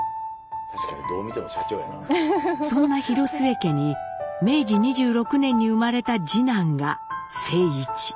そんな広末家に明治２６年に生まれた次男が静一。